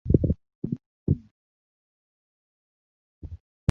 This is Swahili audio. emanuel makundi ameandaa taarifa ifuatayo